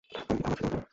আমি কি থামাচ্ছি তোমাকে?